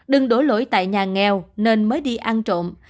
đừng đổ lỗi tại nhà nghèo nên mới đi ăn trộm